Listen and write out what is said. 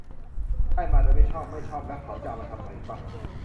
"ได้มาโดยไม่ชอบ" ไม่ชอบแล้วเค้าจะเอามาทำไมฟะ